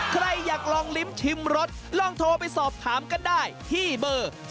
ใครอยากลองลิ้มชิมรสลองโทรไปสอบถามกันได้ที่เบอร์